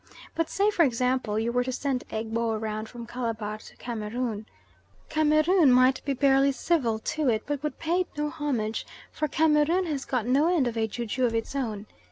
But say, for example, you were to send Egbo round from Calabar to Cameroon. Cameroon might be barely civil to it, but would pay it no homage, for Cameroon has got no end of a ju ju of its own.